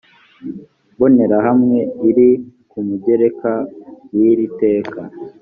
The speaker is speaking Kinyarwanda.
mbonerahamwe iri ku mugereka w iri teka